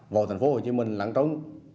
vào thành phố hồ chí minh lãng trống